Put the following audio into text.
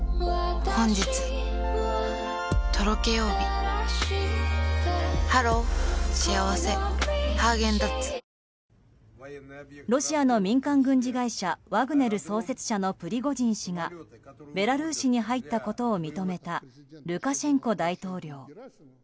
プーチン政権にはどのような影響がロシアの民間軍事会社ワグネル創設者のプリゴジン氏がベラルーシに入ったことを認めたルカシェンコ大統領。